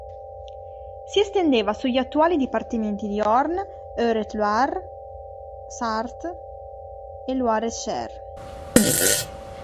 Si estendeva sugli attuali dipartimenti di Orne, Eure-et-Loir, Sarthe e Loir-et-Cher.